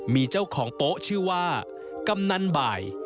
มีเจ้าของโป๊ะชื่อว่ากำนันบ่าย